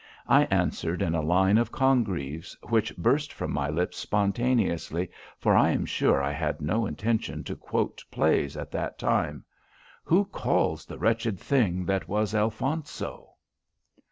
I answered in a line of Congreve's, which burst from my lips spontaneously; for I am sure I had no intention to quote plays at that time. "'Who calls the wretched thing that was Alphonso?